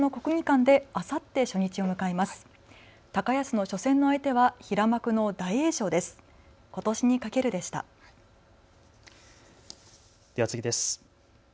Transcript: では次です。